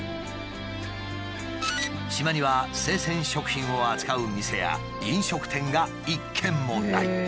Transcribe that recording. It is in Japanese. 島には生鮮食品を扱う店や飲食店が１軒もない。